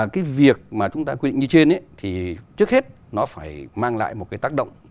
cái việc mà chúng ta quy định như trên thì trước hết nó phải mang lại một cái tác động